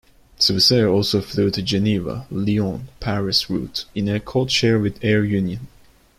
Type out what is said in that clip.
Swissair also flew the Geneva-Lyon-Paris route in a codeshare with Air Union.